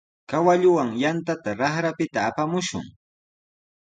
Kawalluwan yantata raqrapita apamushun.